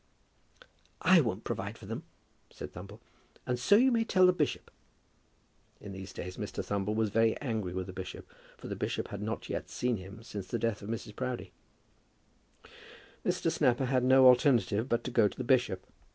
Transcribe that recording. "I won't provide for them," said Thumble; "and so you may tell the bishop." In these days Mr. Thumble was very angry with the bishop, for the bishop had not yet seen him since the death of Mrs. Proudie. Mr. Snapper had no alternative but to go to the bishop.